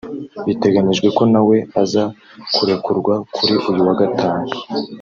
Biteganyijwe ko na we aza kurekurwa kuri uyu wa Gatanu